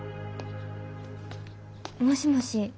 もしもし。